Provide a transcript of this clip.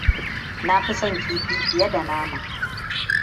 Na fi son kifi fiye da nama.